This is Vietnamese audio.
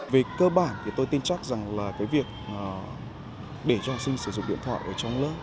về cơ bản thì tôi tin chắc rằng là cái việc để cho học sinh sử dụng điện thoại ở trong lớp